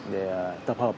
để tập hợp